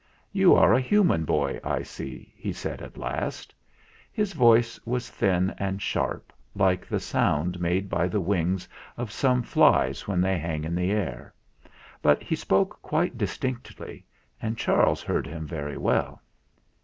"You are a human boy, I see," he said at last. His voice was thin and sharp, like the sound made by the wings of some flies when they hang in the air; but he spoke quite dis tinctly, and Charles heard him very well.